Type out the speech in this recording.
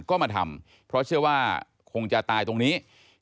ก็มาทำเพราะเชื่อว่าคงจะตายตรงนี้